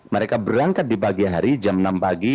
mereka berangkat di pagi hari jam enam pagi